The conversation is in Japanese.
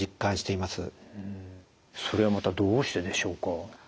それはまたどうしてでしょうか？